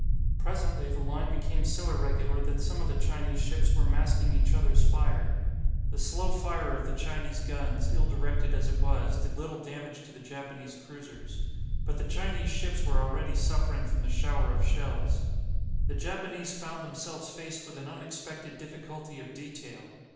Presently the line became so irregular that some of the Chinese ships were masking each other's fire. The slow fire of the Chinese guns, ill directed as it was, did little damage to the Japanese cruisers. But the Chinese ships were already suffering from the shower of shells. The Japanese found themselves faced with an unexpected difficulty of detail.